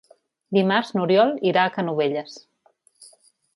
Dimarts n'Oriol irà a Canovelles.